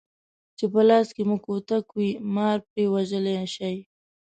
چې په لاس کې مو کوتک وي مار پرې وژلی شئ.